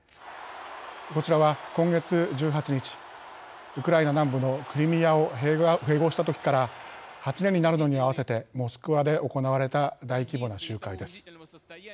こちらは今月１８日ウクライナ南部のクリミアを併合したときから８年になるのにあわせてモスクワで行われた大規模な集会です。